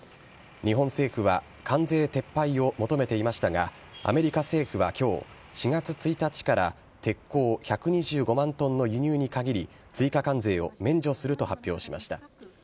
日本政府は関税撤廃を求めていましたが、アメリカ政府はきょう、４月１日から鉄鋼１２５万トンの輸入に限り、追加関税を免除すると発表しました。